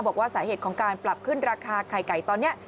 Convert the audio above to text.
บอกว่าสาเหตุของการปรับขึ้นราคาไข่ไก่ตอนนี้